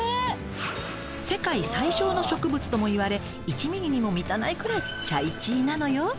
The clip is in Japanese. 世界最小の植物ともいわれ１ｍｍにも満たないくらいチャイチーなのよ。